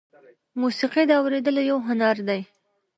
موسیقي د اورېدلو یو هنر دی.